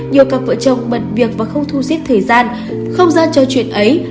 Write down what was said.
nhiều các vợ chồng bận việc và không thu xếp thời gian không ra cho chuyện ấy